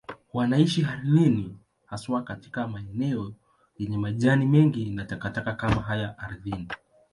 Wanaishi ardhini, haswa katika maeneo yenye majani mengi na takataka kama haya ardhini.